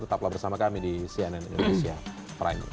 tetaplah bersama kami di cnn indonesia prime news